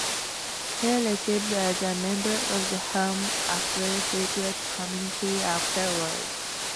He served as a member of the Home Affairs Select Committee afterwards.